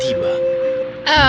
tidak bisa pergi